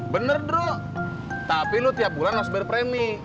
bener druk tapi lu tiap bulan harus bayar premi